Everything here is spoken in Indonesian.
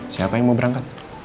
siapa yang mau berangkat